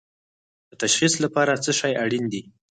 د تشخیص لپاره څه شی اړین دي؟